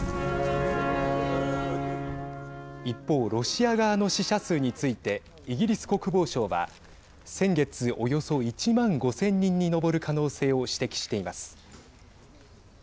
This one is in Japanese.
一方、ロシア側の死者数についてイギリス国防省は先月およそ１万５０００人に上る可能性を指摘しています。